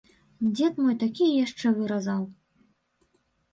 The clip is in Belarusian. Дзед мой такія яшчэ выразаў.